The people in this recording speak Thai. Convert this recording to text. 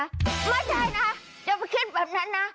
ไม่ใช่นะอย่าไปคิดแบบนั้นนะ